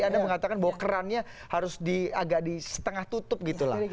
karena mengatakan bahwa kerannya harus diagak di setengah tutup gitu lah